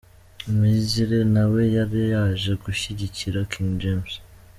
M Izzle nawe yari yaje gushyigikira King James.